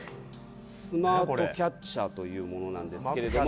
スマートキャッチャーというものなんですけれども。